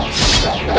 aku pergi dulu ibu nda